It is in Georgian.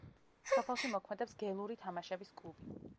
სოფელში მოქმედებს გელური თამაშების კლუბი.